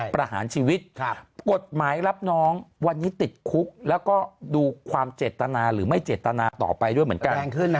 ประหารชีวิตกฎหมายรับน้องวันนี้ติดคุกแล้วก็ดูความเจตนาหรือไม่เจตนาต่อไปด้วยเหมือนกัน